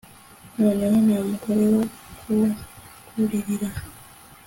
noneho nta mugore wo kukuririra